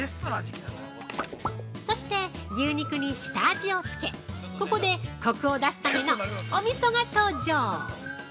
◆そして牛肉に下味をつけここでコクを出すためのおみそが登場。